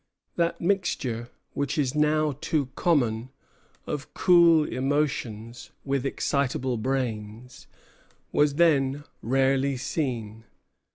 That mixture, which is now too common, of cool emotions with excitable brains, was then rarely seen.